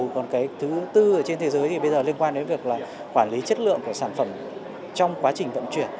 còn cái thứ tư ở trên thế giới thì bây giờ liên quan đến việc là quản lý chất lượng của sản phẩm trong quá trình vận chuyển